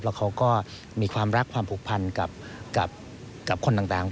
แล้วเขาก็มีความรักความผูกพันกับคนต่าง